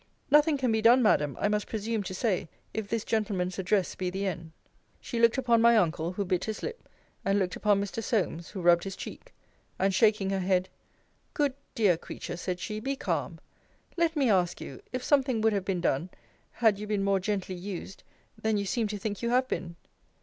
Nothing can be done, Madam, I must presume to say, if this gentleman's address be the end. She looked upon my uncle, who bit his lip; and looked upon Mr. Solmes, who rubbed his cheek; and shaking her head, Good, dear creature, said she, be calm. Let me ask you, If something would have been done, had you been more gently used, than you seem to think you have been?